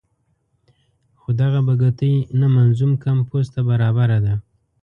خو دغه بګتۍ نه منظوم کمپوز ته برابره ده.